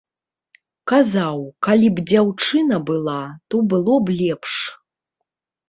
Казаў, калі б дзяўчына была, то было б лепш.